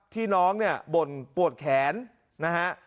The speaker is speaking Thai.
ที่น้องบ่นปวดแขนนะฮะ